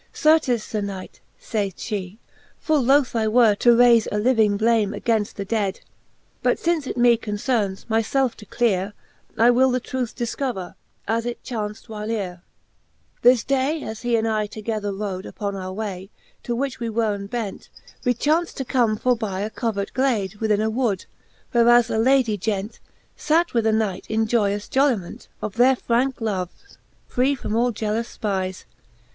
Certes, Sir knight, fayd flie, full loth I were To rayfe a lyving blame againft the dead: But fince it me concernes, my felfe to clere, I will the truth difcover, as it chaunft whylere. XVI. This day, as he and I together roade Upon our way, to which we weren bent, We chaunft to come foreby a covert glade Within a wood, whereas a Ladie gent Sate with a knight in joyous jolliment Of their franke loves, free from all gealous fpyes.